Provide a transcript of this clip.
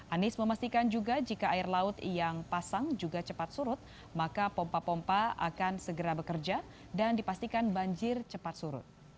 anies memastikan juga jika air laut yang pasang juga cepat surut maka pompa pompa akan segera bekerja dan dipastikan banjir cepat surut